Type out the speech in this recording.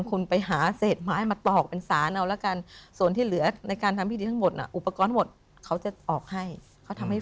คุณไปหาเศษไม้มาตอกเป็นศาลเอาละกัน